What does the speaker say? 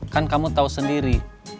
kan kamu tau sendiri